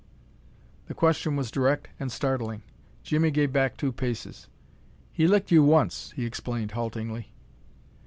The question was direct and startling. Jimmie gave back two paces. "He licked you once," he explained, haltingly.